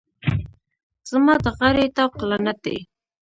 زما د غاړې طوق لعنت دی.